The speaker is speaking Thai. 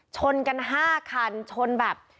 ชนกัน๕คันชนแบบ